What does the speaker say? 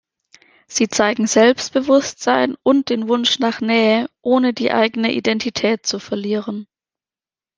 Sie zeigen Selbstbewusstsein und den Wunsch nach Nähe, ohne die eigene Identität zu verlieren.